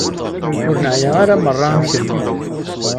Ur neεya ara merra am kemm.